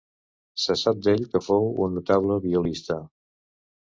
Se sap d'ell que fou un notable violista.